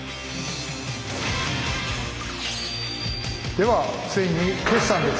ではついに決算です！